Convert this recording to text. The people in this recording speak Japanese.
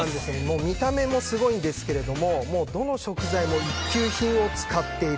見た目もすごいんですけど、どの食材も一級品を使っている。